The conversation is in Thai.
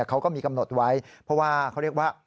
เขาก็มีกำหนดไว้เพราะว่าเขาเรียกว่า